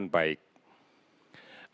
yang sudah dilaksanakan dengan baik